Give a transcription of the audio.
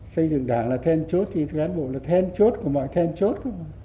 xây dựng đảng là thên chốt thì cán bộ là thên chốt của mọi thên chốt